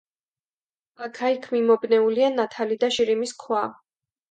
აქა-იქ მიმობნეულია ნათალი და შირიმის ქვა.